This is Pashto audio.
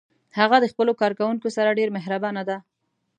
هغه د خپلو کارکوونکو سره ډیر مهربان ده